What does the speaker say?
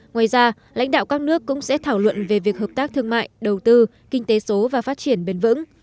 ngoài ra lãnh đạo các nước cũng sẽ thảo luận về việc hợp tác thương mại đầu tư kinh tế số và phát triển bền vững